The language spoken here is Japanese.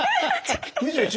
２１？